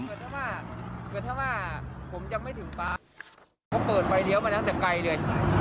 เกิดถ้าว่าผมยังไม่ถึงปั๊มเขาเปิดไฟเลี้ยวมาตั้งแต่ไกลเลย